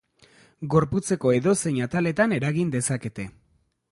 Gorputzeko edozein ataletan eragin dezakete.